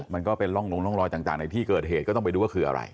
มันก็เป็นร่องลงร่องรอยต่างในที่เกิดเหตุก็ต้องไปดูว่าคืออะไร